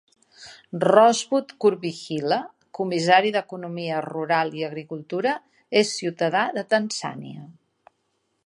Rosebud Kurwijila, comissari d'economia rural i agricultura, és ciutadà de Tanzània.